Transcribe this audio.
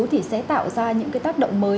thì sẽ tạo ra những cái tác động mới